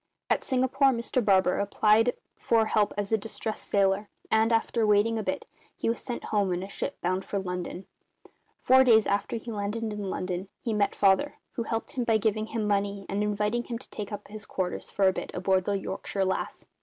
At Singapore Mr Barber applied for help as a distressed sailor, and, after waiting a bit, he was sent home in a ship bound for London. Four days after he landed in London he met Father, who helped him by giving him money and inviting him to take up his quarters, for a bit, aboard the Yorkshire Lass.